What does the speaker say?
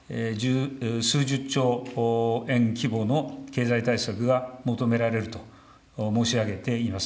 数十兆円規模の経済対策が求められるというふうに申し上げています。